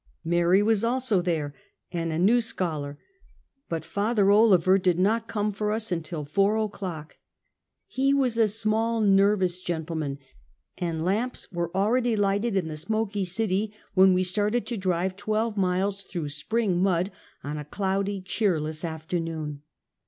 Mary was also there, and a new scholar, but Father Olever did not come for us until four o'clock. He was a small, nervous gentleman, and lamps were 22 Half a Centuet. already lighted in the smoky city when we started to drive twelve miles through spring mud, on a cloudy, cheerless afternoon.